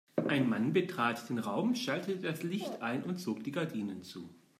Ein Mann betrat den Raum, schaltete das Licht ein und zog die Gardinen zu.